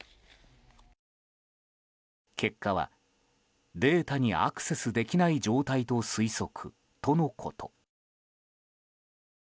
結果はデータにアクセスできない状態と推測とのこと。